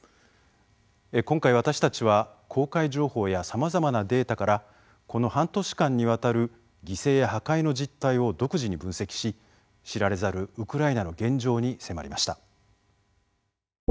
今回、私たちは公開情報やさまざまなデータからこの半年間にわたる犠牲や破壊の実態を独自に分析し知られざるウクライナの現状に迫りました。